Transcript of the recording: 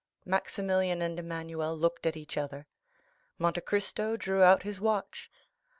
Maximilian and Emmanuel looked at each other. Monte Cristo drew out his watch.